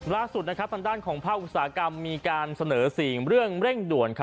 ล่าสุดซันด้านของภาคงูศากรรมมีการเสนอเสียงเรื่องเร่งด่วน